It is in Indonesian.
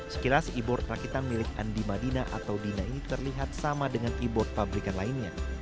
sekilas e board rakitan milik andi madina atau dina ini terlihat sama dengan e board pabrikan lainnya